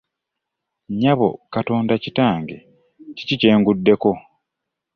Nyabo Katonda kitange kiki kyenguddeko !!